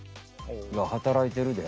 働いてるで。